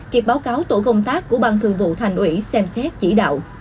kịp báo cáo tổ công tác của ban thường vụ thành ủy xem xét chỉ đạo